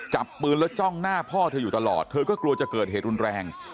จับปืนแล้วจ้องหน้าพ่อเธออยู่ตลอดเธอก็กลัวจะเกิดเหตุรุนแรง